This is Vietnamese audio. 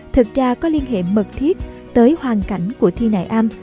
thật ra có liên hệ mật thiết tới hoàn cảnh của thi nại am